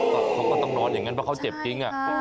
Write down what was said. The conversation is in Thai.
ก็เขาก็ต้องนอนอย่างนั้นเพราะเขาเจ็บจริง